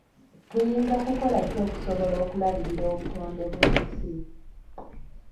Tuyinza kukola ki okusobola okulabirira obutonde bw'ensi?